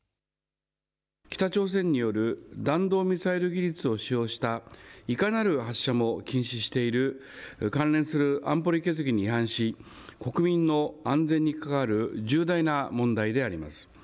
北朝鮮による弾道ミサイル技術を使用したいかなる発射も禁止している関連する安保理決議に違反し、国民の安全に関わる重大な問題であります。